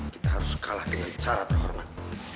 kita harus kalah dengan cara terhormat